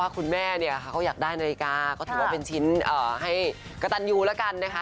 คุณแม่เนี่ยเขาก็อยากได้นาฬิกาก็ถือว่าเป็นชิ้นให้กระตันยูแล้วกันนะคะ